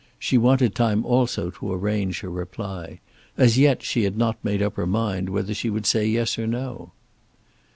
She wanted time also to arrange her reply. As yet she had not made up her mind whether she would say yes or no.